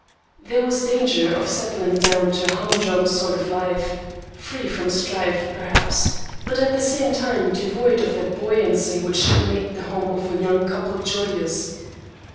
There was danger of settling down to a humdrum sort of life, free from strife, perhaps, but at the same time devoid of that buoyancy which should make the home of a young couple joyous.